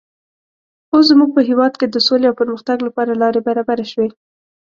اوس زموږ په هېواد کې د سولې او پرمختګ لپاره لارې برابرې شوې.